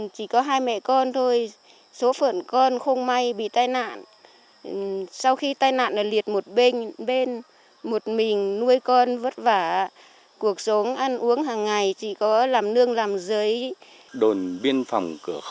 chúng ta đã có một cuộc sống đầm ấm đầy đủ hơn